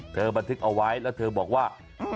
บันทึกเอาไว้แล้วเธอบอกว่า